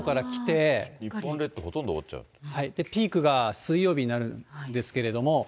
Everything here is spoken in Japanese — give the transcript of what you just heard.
日本列島、ピークが水曜日になるんですけれども。